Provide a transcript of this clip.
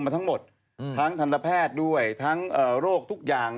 ทั้งทันทะแพทย์ด้วยทั้งรโรคทุกอย่าง